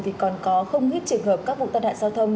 thì còn có không hết trường hợp các vụ tân hạn giao thông